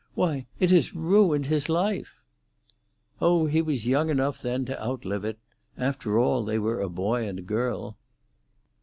Why, it has ruined his life!" "Oh, he was young enough then to outlive it. After all, they were a boy and girl."